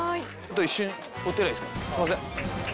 すいません。